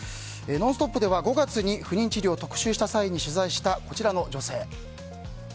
「ノンストップ！」では５月に不妊治療を特集した際に取材したこちらの女性。